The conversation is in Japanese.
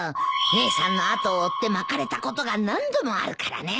姉さんの後を追ってまかれたことが何度もあるからね。